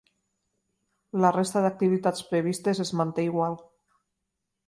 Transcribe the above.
La resta d’activitats previstes es manté igual.